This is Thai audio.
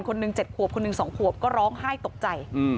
หนึ่ง๗ขวบคนหนึ่ง๒ขวบก็ร้องไห้ตกใจ